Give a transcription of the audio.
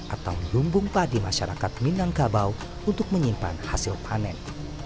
atau lumbung padi masyarakat minangkabau untuk menyimpan hasil panen